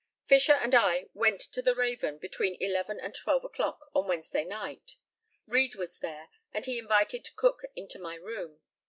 Fisher and I went to the Raven between eleven and twelve o'clock on Wednesday night. Read was there, and he invited Cook into my room.